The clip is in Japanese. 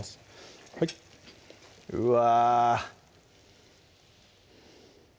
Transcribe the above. はいうわ